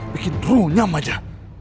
bikin runyam aja